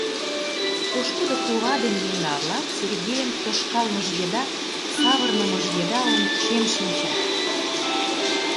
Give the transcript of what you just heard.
Пошкудо кува ден еҥга-влак Сергейым тошкалмыж еда, савырнымыж еда ончен шинчат.